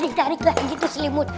ditarik lagi terus selimut